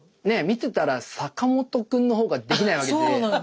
見てたら坂本くんの方ができないわけで。